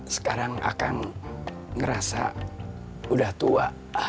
sekarang akan ngerasa udah tua